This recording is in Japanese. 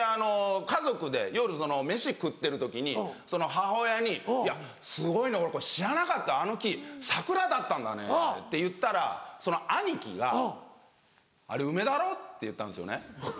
家族で夜飯食ってる時に母親に「すごいね俺これ知らなかったあの木桜だったんだね」って言ったらその兄貴が「あれ梅だろ？」って言ったんですよね。